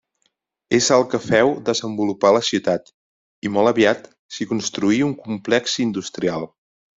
És el que féu desenvolupar la ciutat, i molt aviat s'hi construí un complex industrial.